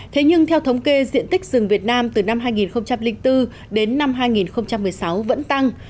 thế nhưng theo thống kê diện tích rừng việt nam từ năm hai nghìn bốn đến năm hai nghìn một mươi sáu vẫn tăng